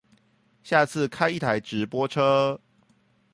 下次開一台直播車